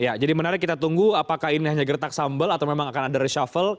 ya jadi menarik kita tunggu apakah ini hanya gertak sambal atau memang akan ada reshuffle